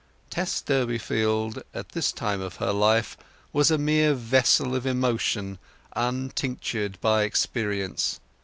Tess Durbeyfield at this time of her life was a mere vessel of emotion untinctured by experience.